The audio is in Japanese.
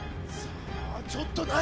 ちょっと何？